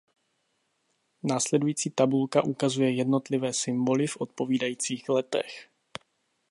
Následující tabulka ukazuje jednotlivé symboly v odpovídajících letech.